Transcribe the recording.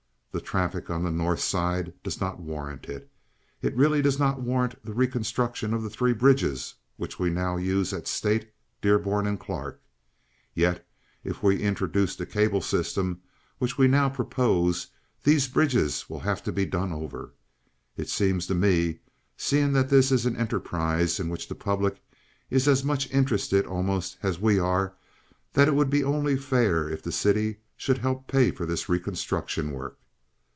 The traffic on the North Side does not warrant it. It really does not warrant the reconstruction of the three bridges which we now use at State, Dearborn, and Clark; yet, if we introduce the cable system, which we now propose, these bridges will have to be done over. It seems to me, seeing that this is an enterprise in which the public is as much interested almost as we are, that it would only be fair if the city should help pay for this reconstruction work.